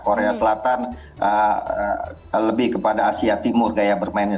korea selatan lebih kepada asia timur gaya bermainnya